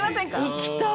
「行きたい！」